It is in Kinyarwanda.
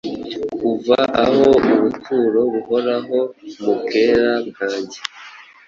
Kuva aho ubuturo buhoraho mubwera bwanjye,